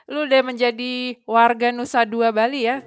lu udah menjadi warga nusa dua bali ya